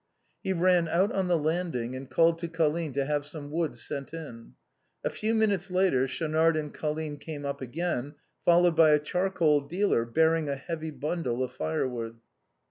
"He ran out on the landing and called to Colline to have some wood sent in. A few minutes later Schaunard and Colline came up again, followed by a charcoal dealer, bear ing a heavy bundle of firewood.